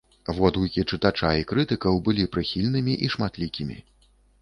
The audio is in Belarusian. Водгукі чытача і крытыкаў былі прыхільнымі і шматлікімі.